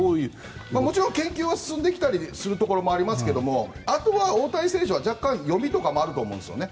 もちろん研究は進んできたりするところもありますがあとは大谷選手は若干読みとかもあると思うんですよね。